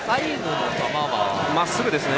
まっすぐですね。